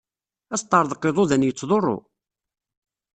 Asṭerḍeq n yiḍudan yettḍurru?